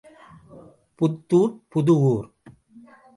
புத்தூர் புது ஊர்.